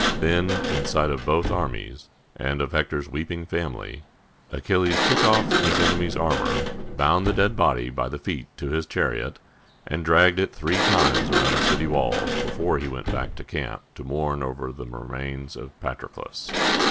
Then, in sight of both armies and of Hector's weeping family, Achilles took off his enemy's armor, bound the dead body by the feet to his chariot, and dragged it three times around the city walls before he went back to camp to mourn over the remains of Patroclus.